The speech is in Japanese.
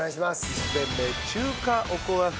１戦目中華おこわ風